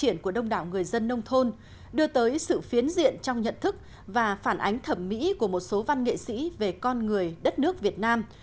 triển của đông đảo người dân nông thôn đưa tới sự phiến diện trong nhận thức và phản ánh thẩm mỹ của một số văn nghệ sĩ về con người đất nước việt nam